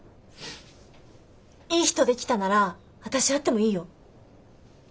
いい人できたなら私会ってもいいよ。